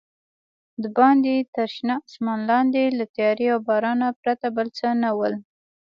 دباندې تر شنه اسمان لاندې له تیارې او بارانه پرته بل څه نه ول.